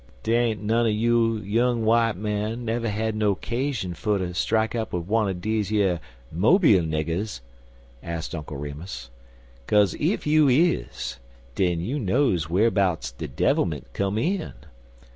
"Dey ain't none er you young w'ite men never had no 'casion fer ter strike up wid one er deze Mobile niggers?" asked Uncle Remus. "'Kaze ef you iz, den you knows wharbouts de devilment come in.